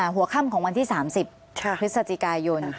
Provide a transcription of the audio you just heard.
หัวข้ามของวันที่๓๐พฤษฎิกายน